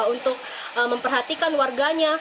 untuk memperhatikan warganya